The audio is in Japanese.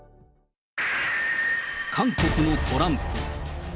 韓国のトランプ。